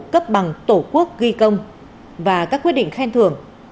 cấp bằng tổ quốc ghi công và các quyết định khen thưởng